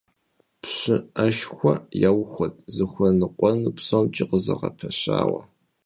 ПщыӀэшхуэ яухуэт, зыхуэныкъуэну псомкӀи къызэгъэпэщауэ,.